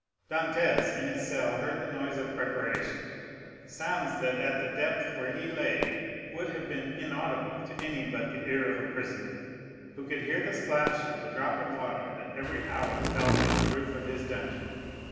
Dantès in his cell heard the noise of preparation,—sounds that at the depth where he lay would have been inaudible to any but the ear of a prisoner, who could hear the splash of the drop of water that every hour fell from the roof of his dungeon.